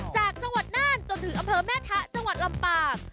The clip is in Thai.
จากจังหวัดน่านจนถึงอำเภอแม่ทะจังหวัดลำปาง